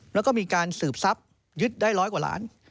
แล้วก็มีการสืบทรัพย์ยึดได้ร้อยกว่าล้าน